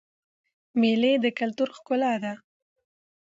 مېلې د کلتور ښکلا ده.